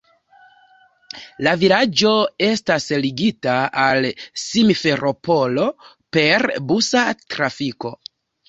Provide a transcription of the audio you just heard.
La vilaĝo estas ligita al Simferopolo per busa trafiko.